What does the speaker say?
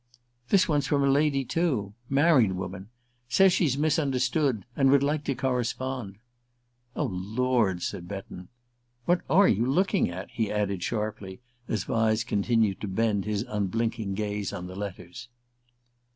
"This one's from a lady, too married woman. Says she's misunderstood, and would like to correspond." "Oh, Lord," said Betton. "What are you looking at?" he added sharply, as Vyse continued to bend his blinking gaze on the letters.